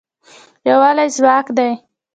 یووالی ځواک دی